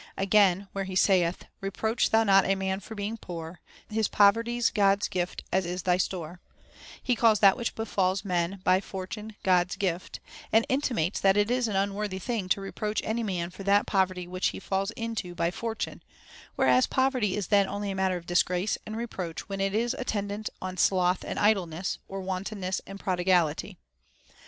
Again, where he saith, ■.?' Reproach thou not a man for being poor; His poverty's God's gift, as is thy store,t he calls that which befalls men by Fortune God's gift, and intimates that it is an unworthy thing to reproach any man for that poverty which he falls into by Fortune, whereas poverty is then only a matter of disgrace and reproach when it is attendant on sloth and idleness, or wantonness and prodigality.